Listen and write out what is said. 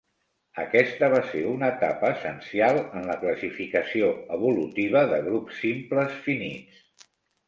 Aquesta va ser una etapa essencial en la classificació evolutiva de grups simples finits.